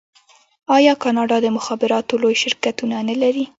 آیا کاناډا د مخابراتو لوی شرکتونه نلري؟